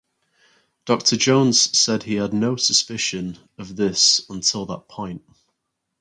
Dr Jones said he had no suspicion of this until that point.